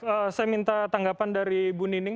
oke saya minta tanggapan dari bu nining